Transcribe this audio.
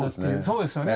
そうですよね。